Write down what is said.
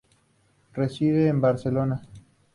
Reside en Barcelona.